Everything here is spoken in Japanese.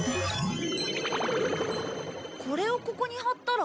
これをここに貼ったら？